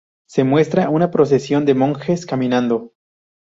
Se muestra una procesión de monjes caminando.